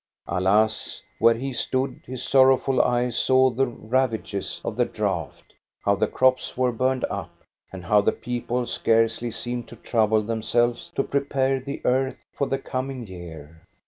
Alas, where he stood his sorrowful eyes saw the rav ages of the drought, how the crops were burned up, and how the people scarcely seemed to trouble them selves to prepare the earth for the coming year.